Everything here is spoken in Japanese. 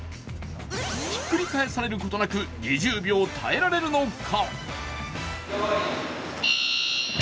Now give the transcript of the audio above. ひっくり返されることなく２０秒耐えられるのか？